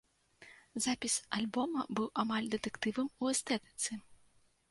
Запіс альбома быў амаль дэтэктывам у эстэтыцы.